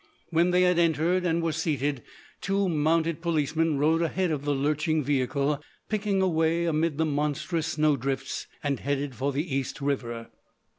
When they had entered and were seated, two mounted policemen rode ahead of the lurching vehicle, picking a way amid the monstrous snow drifts, and headed for the East River.